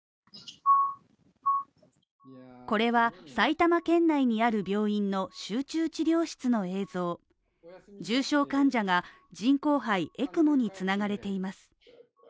これは埼玉県内にある病院の集中治療室の映像重症患者が人工肺ＥＣＭＯにつながれています